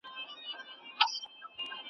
یو خو دا چي نن مي وږي ماشومان دي `